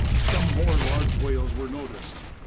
Some more large whales were noticed.